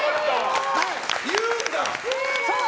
言うんだ。